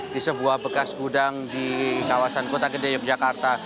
di sebuah bekas gudang di kawasan kota gede yogyakarta